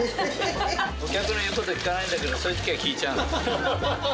お客の言うことは聞かないんだけど、そういうときは聞いちゃうの。